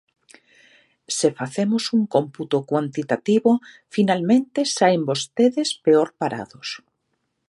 Se facemos un cómputo cuantitativo, finalmente, saen vostedes peor parados.